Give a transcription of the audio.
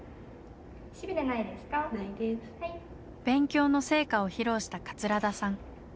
勉強の成果を披露した桂田さん。